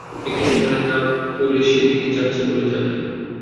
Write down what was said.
একটি স্থানের নাম বলে সেদিকে যাচ্ছে বলে জানায়।